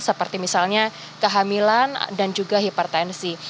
seperti misalnya kehamilan dan juga hipertensi